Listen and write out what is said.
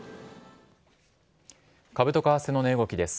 株と為替の値動きです。